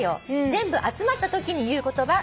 全部集まったときに言う言葉』」